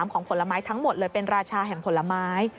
ของผลไม้ทั้งหมดเลยเป็นราชาแห่งผลไม้